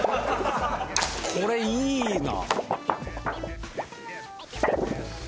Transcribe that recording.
これいいな。